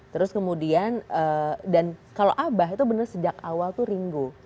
terus kemudian dan kalau abah itu benar sejak awal tuh ringo